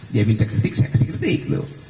dia minta kritik saya kasih kritik loh